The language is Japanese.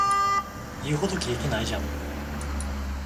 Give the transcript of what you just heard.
言うほどキレてないじゃん